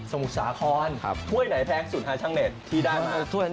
สมุกสาครครับถ้วยไหนแพงสุดค่ะช่างเด็กที่ได้มา